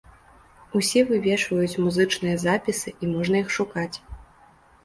Усе вывешваюць музычныя запісы, і можна іх шукаць.